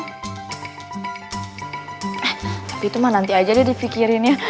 tapi itu mah nanti aja deh dipikirin ya